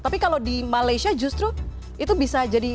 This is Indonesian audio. tapi kalau di malaysia justru itu bisa jadi